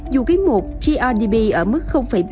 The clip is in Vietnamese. dù ký một grdp ở mức bảy